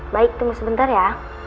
baik tunggu sebentar ya